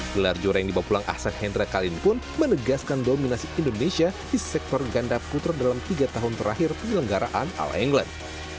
gelar juara yang dibawa pulang ahsan hendra kali ini pun menegaskan dominasi indonesia di sektor ganda putra dalam tiga tahun terakhir penyelenggaraan all england